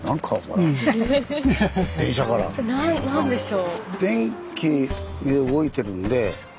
なん何でしょう？